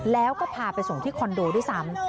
แล้วก็พาไปส่งที่คอนโดด้วยซ้ำ